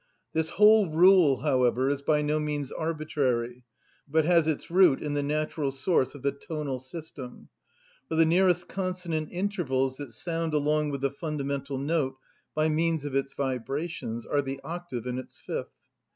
This whole rule, however, is by no means arbitrary, but has its root in the natural source of the tonal system; for the nearest consonant intervals that sound along with the fundamental note by means of its vibrations are the octave and its fifth.